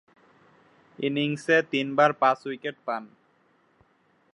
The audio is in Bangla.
ইনিংসে তিনবার পাঁচ-উইকেট পান।